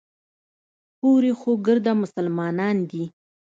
هورې خو ګرده مسلمانان دي.